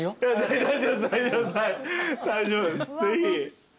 大丈夫ですぜひ。